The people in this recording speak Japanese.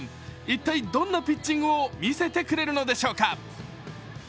一体どんなピッチングを見せてくれるのでしょうか。